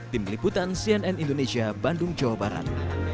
tim liputan cnn indonesia bandung jawa barat